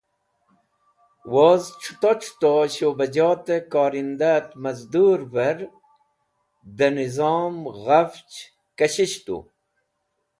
Woz C̃huto C̃huto Shubajote Korindah et Mazdurver de Nizom ghafch Kashish tu.